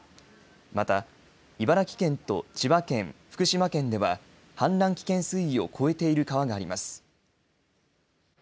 また、茨城県と千葉県福島県では氾濫危険水位を超えている川があります。